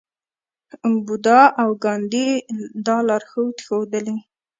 بودا او ګاندي دا لار ښودلې.